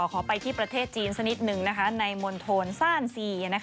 ขอไปที่ประเทศจีนสักนิดหนึ่งในมณฑลซ่านซี